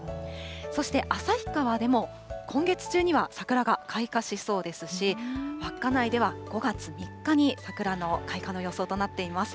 そして旭川でも、今月中には桜が開花しそうですし、稚内では５月３日に桜の開花の予想となっています。